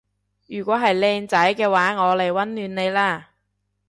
如果係靚仔嘅話我嚟溫暖你啦